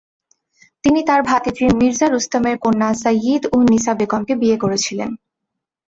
তিনি তার ভাতিজি মির্জা রুস্তমের কন্যা সাইয়িদ-উন-নিসা বেগমকে বিয়ে করেছিলেন।